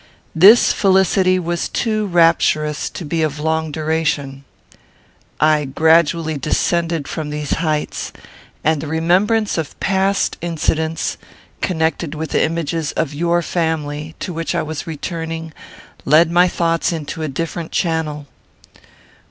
This felicity was too rapturous to be of long duration. I gradually descended from these heights; and the remembrance of past incidents, connected with the images of your family, to which I was returning, led my thoughts into a different channel.